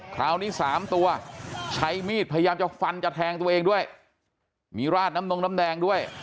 คราวนี้สามตัวใช้มีดพยายามจะฟันจะแทงตัวเองด้วยมีราดน้ำนงน้ำแดงด้วย